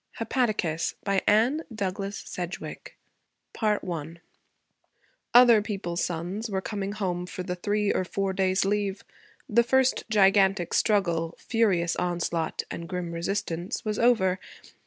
HEPATICAS BY ANNE DOUGLAS SEDGWICK I Other people's sons were coming home for the three or four days' leave. The first gigantic struggle furious onslaught and grim resistance was over.